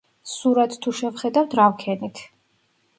სურათს თუ შევხედავთ, რა ვქენით?